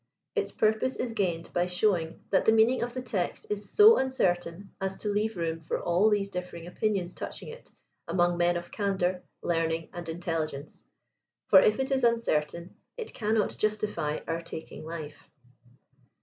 Its purpose is gained by showing that the meaning of the text is so uncertain as to leave room for all these differing opinions touching it, among men of candor, learning and intelligence^ For if it is uncertain, it cannot justify our taking life.